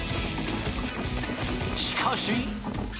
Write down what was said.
しかし。